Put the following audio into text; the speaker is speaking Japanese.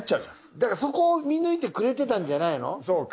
だからそこを見抜いてくれてたんじゃないの？そうか。